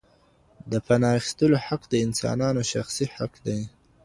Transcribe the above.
د پناه اخيستلو حق د انسانانو شخصي حق دی.